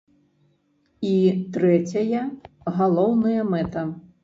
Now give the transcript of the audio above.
І трэцяя, галоўная мэта.